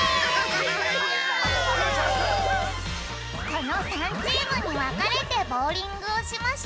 この３チームにわかれてボウリングをしましゅ。